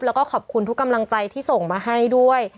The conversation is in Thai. แล้วก็ขอบคุณทุกกำลังใจที่ส่งมาให้ด้วย